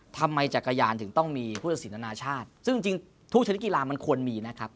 ทำไมจักรยานถึงต้องมีพฤศจิตนาชาติซึ่งจริงทุกชนิดกีฬามันควรมีนะครับ